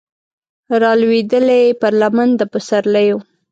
رالویدلې پر لمن د پسرلیو